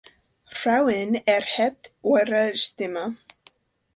Frauen, erhebt eure Stimme!